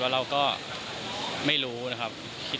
เราก็ไม่รู้นะครับ